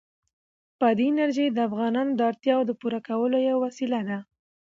بادي انرژي د افغانانو د اړتیاوو د پوره کولو یوه وسیله ده.